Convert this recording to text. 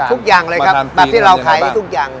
ทุกอย่างเลยครับแบบที่เราขายทุกอย่าง